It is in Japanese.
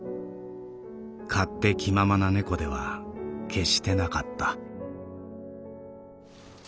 勝手気ままな猫では決してなかった」。